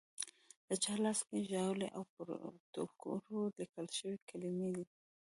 د چا لاس کې ژاولي او پر ټوکرو لیکل شوې کلیمې دي.